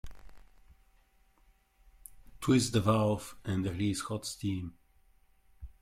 Twist the valve and release hot steam.